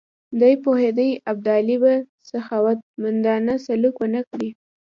دی پوهېدی ابدالي به سخاوتمندانه سلوک ونه کړي.